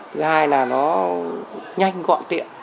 thứ hai là nó nhanh gọn tiện